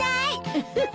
ウフフ。